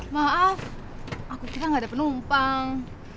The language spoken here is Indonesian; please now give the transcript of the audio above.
maaf aku bilang gak ada penumpang